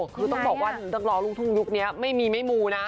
คือต้องบอกว่านักร้องลูกทุ่งยุคนี้ไม่มีไม่มูนะ